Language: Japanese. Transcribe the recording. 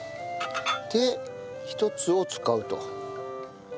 で１つを使うと。